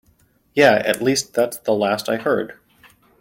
Yeah, at least that's the last I heard.